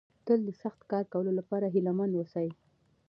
تل د سخت کار کولو لپاره هيله مند ووسئ.